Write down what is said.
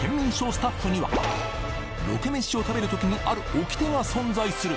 スタッフにはロケ飯を食べる時にある掟が存在する。